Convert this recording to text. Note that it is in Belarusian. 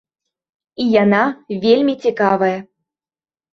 І яна вельмі цікавая.